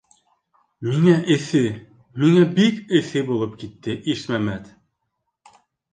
Миңә эҫе, миңә бик эҫе булып китте, Ишмәмәт!